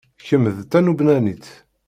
Kemm d Talubnanit?